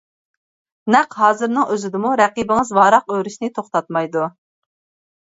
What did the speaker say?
نەق ھازىرنىڭ ئۆزىدىمۇ رەقىبىڭىز ۋاراق ئۆرۈشنى توختاتمايدۇ.